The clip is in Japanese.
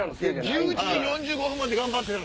１１時４５分まで頑張ってた。